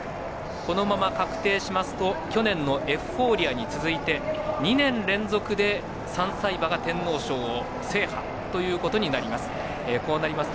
このまま確定しますと去年のエフフォーリアに続いて２年連続で３歳馬が天皇賞を制覇ということになります。